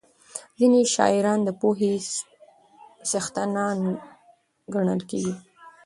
ځینې شاعران د پوهې څښتنان ګڼل کېږي.